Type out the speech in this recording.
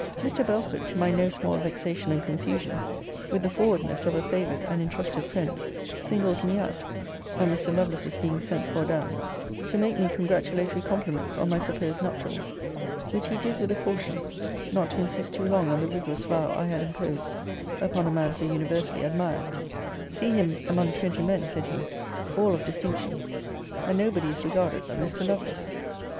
Mr. Belford, to my no small vexation and confusion, with the forwardness of a favoured and intrusted friend, singled me out, on Mr. Lovelace's being sent for down, to make me congratulatory compliments on my supposed nuptials; which he did with a caution, not to insist too long on the rigorous vow I had imposed upon a man so universally admired 'See him among twenty men,' said he, 'all of distinction, and nobody is regarded but Mr. Lovelace.'